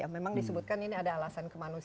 memang disebutkan ini ada alasan kemanusiaan